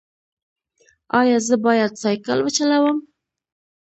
ایا زه باید سایکل وچلوم؟